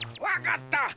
わかった！